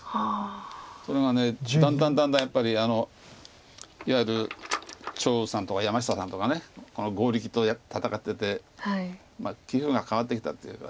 それがだんだんだんだんやっぱりいわゆる張栩さんとか山下さんとか剛力と戦ってて棋風が変わってきたというか。